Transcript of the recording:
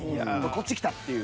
こっち来たっていう。